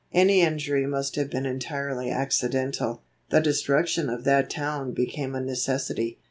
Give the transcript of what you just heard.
Any injury must have been entirely accidental. The destruction of that town became a necessity.